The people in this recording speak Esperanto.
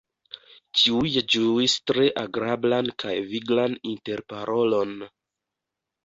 Ĉiuj ĝuis tre agrablan kaj viglan interparolon.